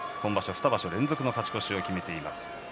２場所連続の勝ち越しを決めています。